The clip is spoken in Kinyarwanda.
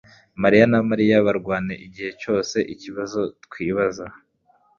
mariya na Mariya barwana igihe cyose ikibazo twibaza